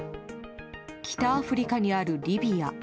北アフリカにあるリビア。